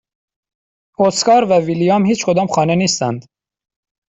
اسکار و ویلیام هیچکدام خانه نیستند.